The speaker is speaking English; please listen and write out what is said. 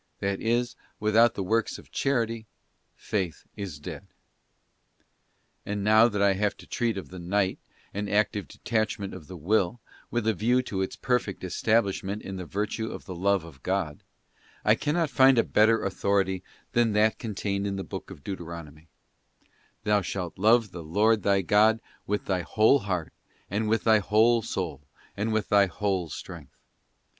'* That is, without the works of Charity Faith is dead. And now that I have to treat of the Night and active de tachment of the Will, with a view to its perfect establishment in this virtue of the Love of God, I cannot find a better au thority than that contained in the Book of Deuteronomy: 'Thou shalt love the Lord thy God with thy whole heart, and with thy whole soul, and with.thy whole strength.